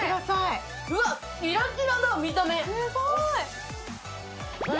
うわ、キラキラだ、見た目。